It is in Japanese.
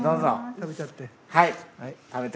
食べちゃって。